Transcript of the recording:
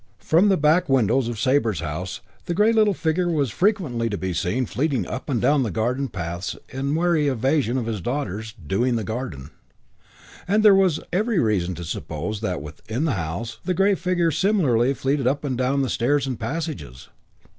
From the back windows of Sabre's house the grey little figure was frequently to be seen fleeting up and down the garden paths in wary evasion of daughters "doing" the garden, and there was every reason to suppose that, within the house, the grey figure similarly fleeted up and down the stairs and passages.